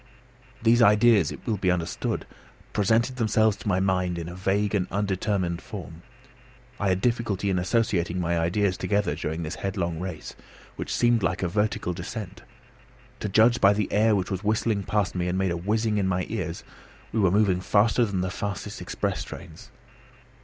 These ideas, it will be understood, presented themselves to my mind in a vague and undetermined form. I had difficulty in associating any ideas together during this headlong race, which seemed like a vertical descent. To judge by the air which was whistling past me and made a whizzing in my ears, we were moving faster than the fastest express trains.